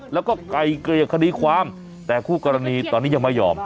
แล้วก็ไกลเกลี่ยคดีความแต่คู่กรณีตอนนี้ยังไม่ยอม